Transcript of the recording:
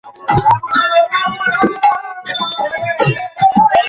কিন্তু সংঘাতপূর্ণ রাজনীতিতে এটা কতটুকু ফলপ্রসূ হবে, সেটা নিয়ে আরও ভাবতে হবে।